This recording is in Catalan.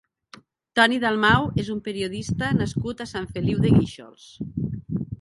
Toni Dalmau és un periodista nascut a Sant Feliu de Guíxols.